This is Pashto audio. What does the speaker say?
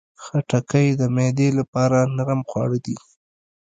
خټکی د معدې لپاره نرم خواړه دي.